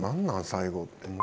最後って。